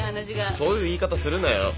そういう言い方するなよ。